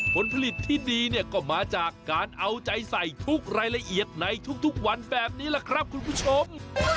ผลผลิตที่ดีเนี่ยก็มาจากการเอาใจใส่ทุกรายละเอียดในทุกวันแบบนี้แหละครับคุณผู้ชม